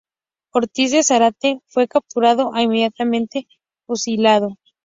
Ortiz de Zárate fue capturado e inmediatamente fusilado.